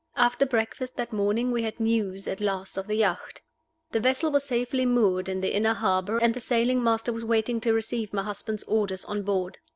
After breakfast that morning we had news at last of the yacht. The vessel was safely moored in the inner harbor, and the sailing master was waiting to receive my husband's orders on board.